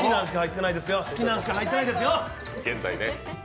好きなのしか入ってないですよ！